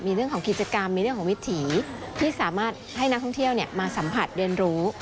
มีเรื่องของกิจกรรมมีเรื่องของวิถีที่สามารถให้นักท่องเที่ยวมาสัมผัสเรียนรู้